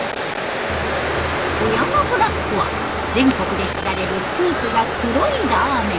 「富山ブラック」は全国で知られるスープが黒いラーメン。